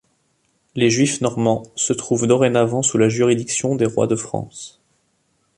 Les Juifs normands se trouvent dorénavant sous la juridiction des rois de France.